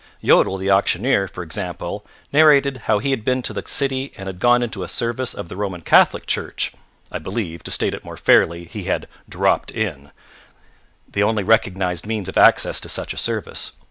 Yodel, the auctioneer, for example, narrated how he had been to the city and had gone into a service of the Roman Catholic church: I believe, to state it more fairly, he had "dropped in," the only recognized means of access to such a service.